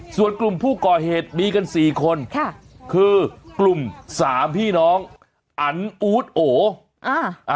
ส่วนกลุ่มผู้ก่อเหตุมีกันสี่คนค่ะคือกลุ่มสามพี่น้องอันอู๊ดโออ่า